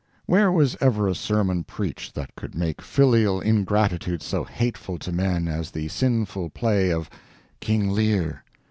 Where was ever a sermon preached that could make filial ingratitude so hateful to men as the sinful play of "King Lear"?